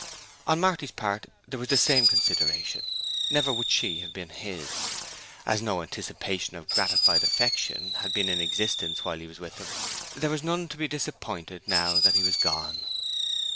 On Marty's part there was the same consideration; never would she have been his. As no anticipation of gratified affection had been in existence while he was with them, there was none to be disappointed now that he had gone.